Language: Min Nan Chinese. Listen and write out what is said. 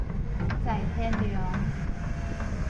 在天龍